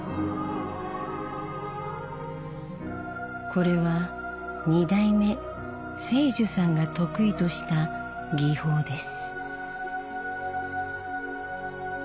これは２代目青樹さんが得意とした技法です。